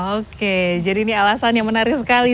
oke jadi ini alasan yang menarik sekali